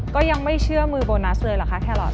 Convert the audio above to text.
ก็ยังไม่เชื่อมือโบนัสเลยเหรอคะแครอท